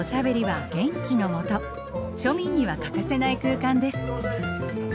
庶民には欠かせない空間です。